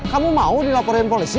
kamu mau dilaporin polisi